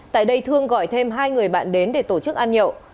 tại đây thương gọi thêm hai người bạn đến để tổ chức ăn nhậu